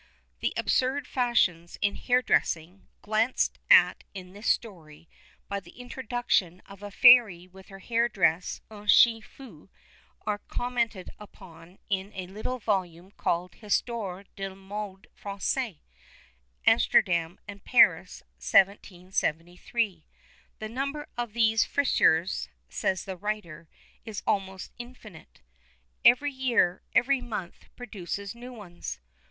The absurd fashions in hair dressing, glanced at in this story, by the introduction of a fairy with her hair dressed en chien fou, are commented upon in a little volume called Histoires des Modes Française; Amsterdam and Paris, 1773. "The number of these frisures," says the writer, "is almost infinite. Every year, every month, produces new ones.